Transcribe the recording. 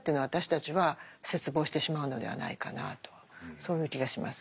そういう気がします。